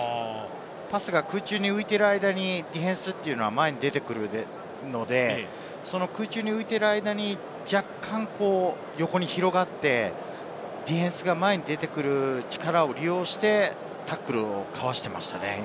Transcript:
パスが空中に浮いている間にディフェンスは前に出てくるので、空中に浮いている間に若干、横に広がって、ディフェンスが前に出てくる力を利用してタックルを交わしていました。